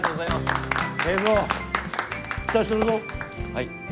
はい。